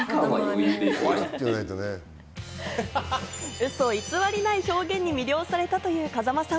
うそ偽りない表現に魅了されたという風間さん。